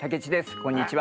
こんにちは。